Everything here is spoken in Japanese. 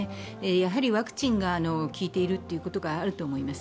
やはりワクチンが効いているということがあると思います。